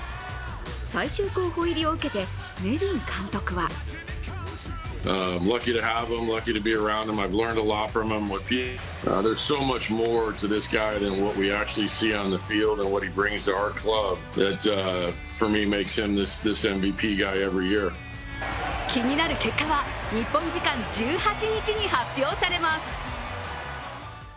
最終候補入りを受けてネビン監督は気になる結果は日本時間１８日に発表されます。